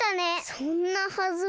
そんなはずは。